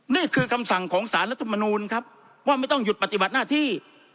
นี่คือคำสั่งของสารรัฐมนูลครับว่าไม่ต้องหยุดปฏิบัติหน้าที่